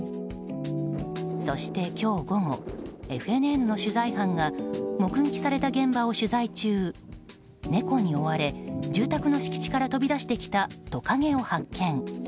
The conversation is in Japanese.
そして、今日午後ＦＮＮの取材班が目撃された現場を取材中猫に追われ住宅の敷地から飛び出してきたトカゲを発見。